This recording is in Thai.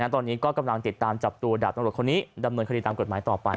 ตอนนี้ก็กำลังติดตามจับตัวดับดำเนินคติตามกฏหมายต่อไป